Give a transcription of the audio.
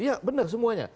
iya benar semuanya